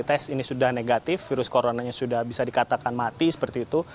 bahwa setelah dua kali tes ini sudah negatif virus coronanya sudah bisa dikatakan mati seperti itu